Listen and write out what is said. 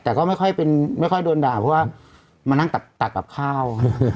แต่ก็ไม่ค่อยเป็นไม่ค่อยโดนด่าเพราะว่ามานั่งตักกับข้าว